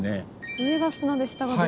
上が砂で下が泥。